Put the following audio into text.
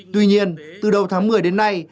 tuy nhiên từ đầu tháng một mươi đến nay